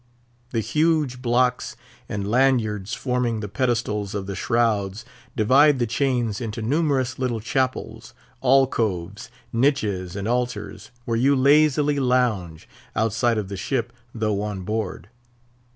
The huge blocks and lanyards forming the pedestals of the shrouds divide the chains into numerous little chapels, alcoves, niches, and altars, where you lazily lounge—outside of the ship, though on board.